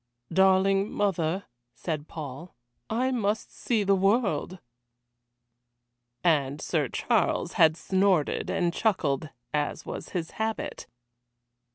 "Darling mother," said Paul, "I must see the world." And Sir Charles had snorted and chuckled, as was his habit.